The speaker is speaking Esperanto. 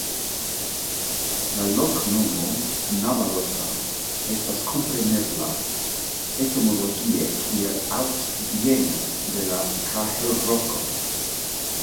La loknomo "Navalosa" estas komprenebla etimologie kiel Altbieno de la Kahelroko.